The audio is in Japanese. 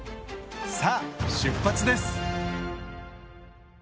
さあ出発です！